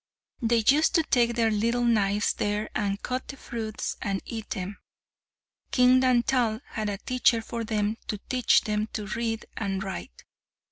They used to take their little knives there and cut the fruits and eat them. King Dantal had a teacher for them to teach them to read and write.